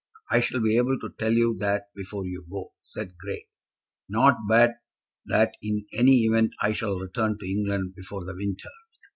"I shall be able to tell you that before you go," said Grey. "Not but that in any event I shall return to England before the winter."